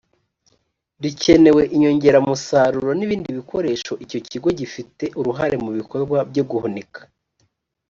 rikenewe inyongeramusaruro n ibindi bikoresho icyo kigo gifite uruhare mu bikorwa byo guhunika